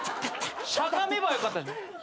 しゃがめばよかったじゃん。